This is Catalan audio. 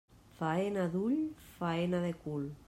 Faena d'ull, faena de cul.